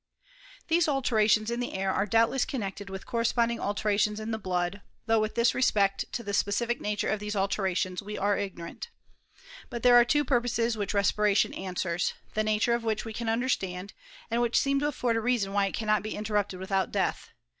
These alterations in the air are doubtless con VOL. II. Y nected with corresponding alterations in the blood, though with respect to the specific nature of these alterations we are ignorant. But there are two purposes which respiration answerB, the nature of wiiicfa we can understand, and which seem to afford a reasoD why it cannot be interrupted without death.